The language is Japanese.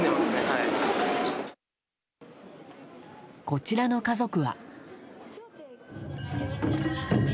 こちらの家族は。